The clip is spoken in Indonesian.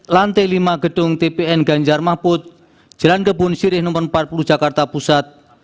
lantai lima gedung tpn ganjar mahfud jalan kebun sirih no empat puluh jakarta pusat